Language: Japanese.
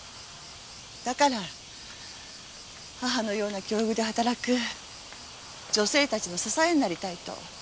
だから母のような境遇で働く女性たちの支えになりたいと。